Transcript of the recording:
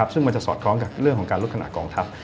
ซึ่งมันจะสอดคล้องกับเรื่องของการลดขณะกองทัพ